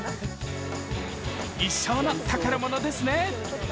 一生の宝物ですね。